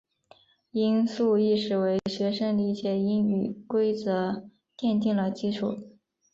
音素意识为学生理解英语规则奠定了基础。